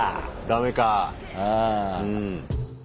ダメか。